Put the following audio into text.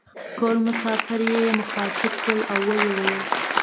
ټول مسافر یې مخاطب کړل او وې ویل: